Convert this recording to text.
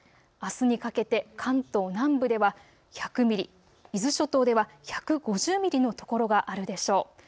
あすにかけて関東南部では１００ミリ、伊豆諸島では１５０ミリの所があるでしょう。